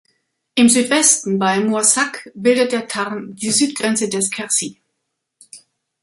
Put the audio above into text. Im Südwesten bei Moissac bildet der Tarn die Südgrenze des Quercy.